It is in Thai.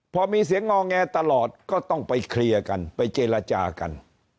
พอมีเสียงงอแงตลอดก็ต้องไปเคลียร์กันไปเจรจากัน